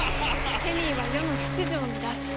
ケミーは世の秩序を乱す。